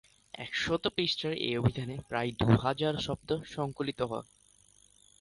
একশত পৃষ্ঠার এ অভিধানে প্রায় দু-হাজার শব্দ সংকলিত হয়।